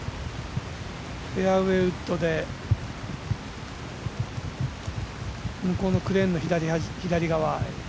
フェアウエーウッドで向こうのクレーンの左側。